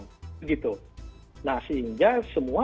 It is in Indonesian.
nah sehingga semua penegakan hukum itu bisa diperlukan